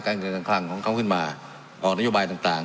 เงินการคลังของเขาขึ้นมาออกนโยบายต่าง